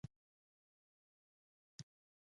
دا ښار د مریانو ضد سمندري ځواکونو پر اډې بدل شو.